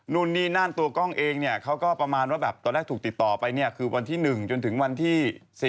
นู่นนี่นั่นตัวกล้องเองเนี่ยเขาก็ประมาณว่าแบบตอนแรกถูกติดต่อไปเนี่ยคือวันที่๑จนถึงวันที่๔